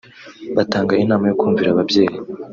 Batanga inama yo kumvira ababyeyi